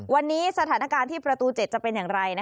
วันนี้สถานการณ์ที่ประตู๗จะเป็นอย่างไร